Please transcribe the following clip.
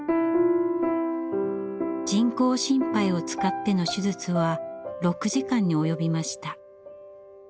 人工心肺を使っての手術は６時間に及びました。